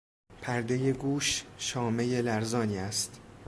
پردهی گوش شامهی لرزانی است.